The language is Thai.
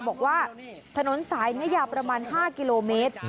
บอกว่าถนนสายนี้ยาวประมาณ๕กิโลเมตร